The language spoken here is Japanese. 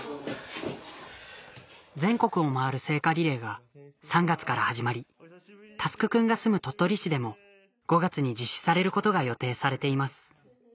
全国を回る聖火リレーが３月から始まり奨君が住む鳥取市でも５月に実施されることが予定されています